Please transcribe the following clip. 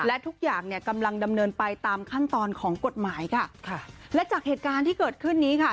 และทุกอย่างเนี่ยกำลังดำเนินไปตามขั้นตอนของกฎหมายค่ะค่ะและจากเหตุการณ์ที่เกิดขึ้นนี้ค่ะ